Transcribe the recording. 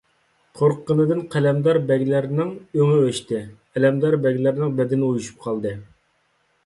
قورققىنىدىن قەلەمدار بەگلەرنىڭ ئۆڭى ئۆچتى، ئەلەمدار بەگلەرنىڭ بەدىنى ئۇيۇشۇپ قالدى.